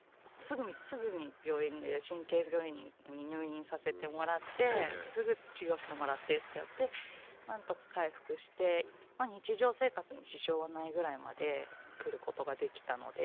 すぐに病院神経病院に入院させてもらってすぐ治療してもらってってやってなんとか回復して日常生活に支障はないぐらいまで来ることができたので。